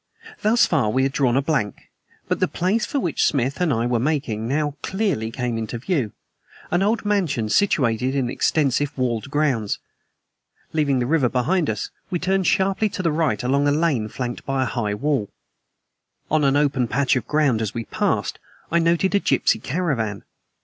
Thus far we had drawn blank, but the place for which Smith and I were making now came clearly into view: an old mansion situated in extensive walled grounds. Leaving the river behind us, we turned sharply to the right along a lane flanked by a high wall. On an open patch of ground, as we passed, I noted a gypsy caravan.